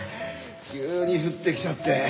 急に降ってきちゃって。